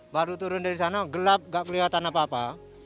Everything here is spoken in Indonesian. baru turun dari sana gelap gak kelihatan apa apa